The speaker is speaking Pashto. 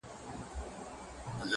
تا په لڅه سينه ټوله زړونه وړي-